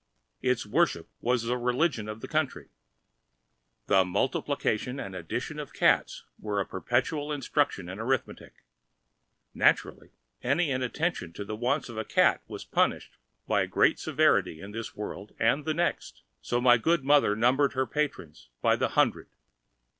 Its worship was the religion of the country. The multiplication and addition of cats were a perpetual instruction in arithmetic. Naturally, any inattention to the wants of a cat was punished with great severity in this world and the next; so my good mother numbered her patrons by the hundred.